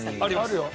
あるよ。